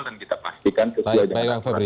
dan kita pastikan sesuai dengan